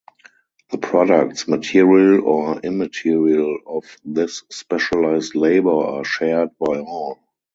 The products, material or immaterial, of this specialized labor are shared by all.